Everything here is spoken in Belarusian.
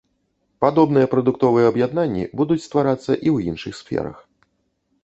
Падобныя прадуктовыя аб'яднанні будуць стварацца і ў іншых сферах.